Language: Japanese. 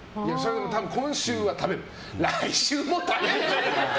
多分、今週は食べる来週も食べる！って。